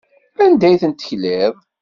Anda ay tent-tekliḍ?